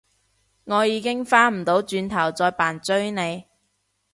我已經返唔到轉頭再扮追你